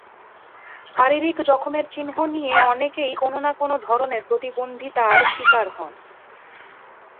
শারীরিক জখমের চিহ্ন নিয়ে অনেকেই কোনো না-কোনো ধরনের প্রতিবন্ধিতার শিকার হন।